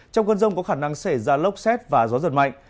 trong cơn rông có khả năng xảy ra lốc xét và gió giật mạnh